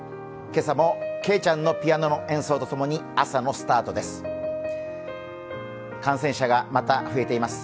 今朝もけいちゃんのピアノの演奏と共に朝のスタートです。